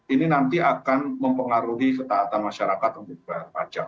ini nanti akan mempengaruhi ketaatan masyarakat untuk bayar pajak